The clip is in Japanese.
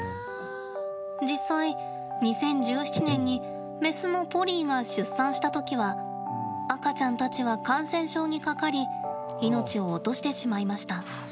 実際２０１７年にメスのポリーが出産したときは赤ちゃんたちは感染症にかかり命を落としてしまいました。